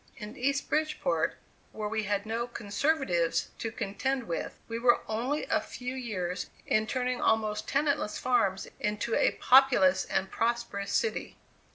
In East Bridgeport, where we had no "conservatives" to contend with, we were only a few years in turning almost tenantless farms into a populous and prosperous city.